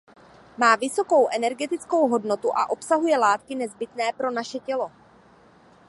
Má vysokou energetickou hodnotu a obsahuje látky nezbytné pro naše tělo.